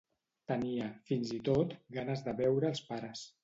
Tenia, fins i tot, ganes de veure els pares.